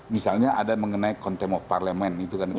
misalnya ada mengenai konten parlement